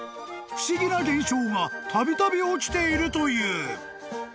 ［不思議な現象がたびたび起きているという］